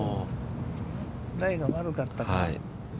ライが悪かったか。